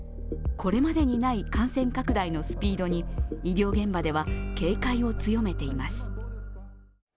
これまでにない感染拡大のスピードに医療現場では警戒を強めています。